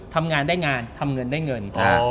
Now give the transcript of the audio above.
ทำงานได้งานทำเงินได้เงิน